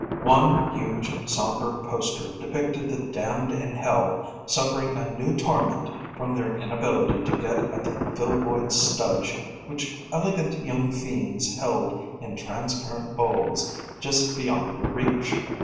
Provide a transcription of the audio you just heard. One huge sombre poster depicted the Damned in Hell suffering a new torment from their inability to get at the Filboid Studge which elegant young fiends held in transparent bowls just beyond their reach.